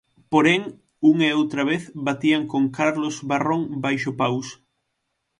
Porén, unha e outra vez batían con Carlos Barrón baixo paus.